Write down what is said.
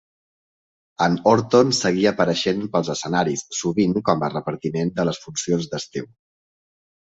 En Horton seguia apareixent pels escenaris, sovint com a repartiment de les funcions d'estiu.